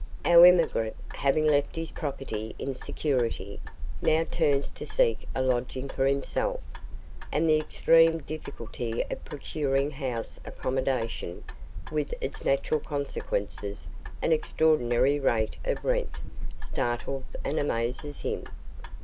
Our emigrant, having left his property in security, now turns to seek a lodging for himself; and the extreme difficulty of procuring house accommodation, with its natural consequences, an extraordinary rate of rent, startles and amazes him.